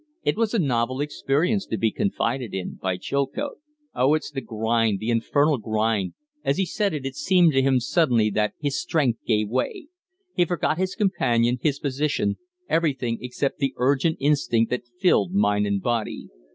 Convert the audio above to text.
It was a novel experience to be confided in by Chilcote. "Oh, it's the grind the infernal grind." As he said it, it seemed to him suddenly that his strength gave way. He forgot his companion, his position, everything except the urgent instinct that filled mind and body.